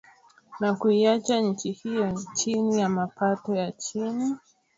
Na kuiacha nchi hiyo chini ya mapato ya chini.